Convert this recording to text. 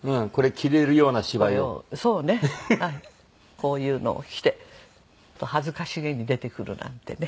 こういうのを着て恥ずかしげに出てくるなんてね。